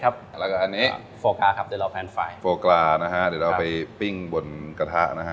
ครับแล้วก็อันเนี้ยเดี๋ยวเราไปปิ้งบนกระทะนะฮะ